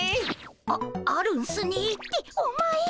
ああるんすねってお前。